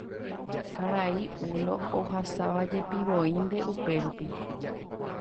Karai Ulo ohasavajepivoínte upérupi.